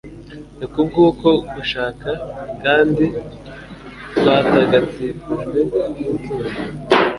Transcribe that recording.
ni ku bw'uko gushaka kandi twatagatifujwe n'ituro